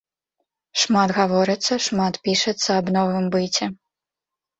Шмат гаворыцца, шмат пішацца аб новым быце.